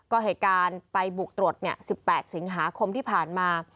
ก็เหตุการณ์ไปบุกตรวจ๑๘สิงหาคมที่ผ่านมา